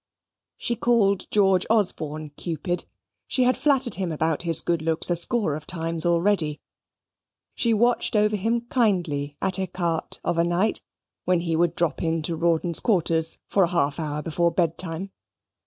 She called George Osborne, Cupid. She had flattered him about his good looks a score of times already. She watched over him kindly at ecarte of a night when he would drop in to Rawdon's quarters for a half hour before bed time.